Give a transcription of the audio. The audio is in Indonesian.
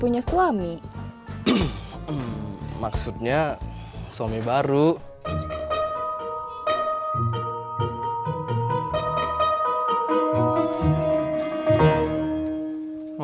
enggak ada yang nyebut